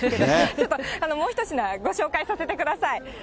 ちょっともう一品、ご紹介させてください。